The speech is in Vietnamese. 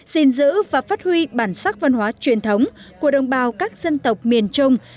xin giữ và phát huy bản sắc văn hóa truyền thống của đồng bào các dân tộc miền trung